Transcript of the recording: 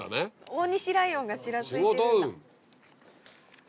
大西ライオンがちらついてるんだ。